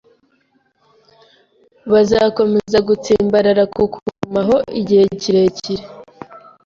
Bazakomeza gutsimbarara ku kuguma aho igihe kirekire